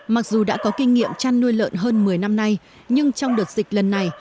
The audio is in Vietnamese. mặc dù đã có kinh nghiệm chăn nuôi lợn hơn một mươi năm nay nhưng trong đợt dịch lần này